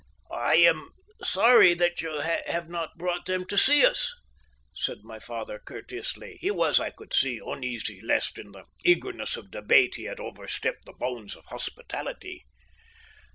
"I am sorry that you have not brought them to see us," said my father courteously. He was, I could see, uneasy lest in the eagerness of debate he had overstepped the bounds of hospitality.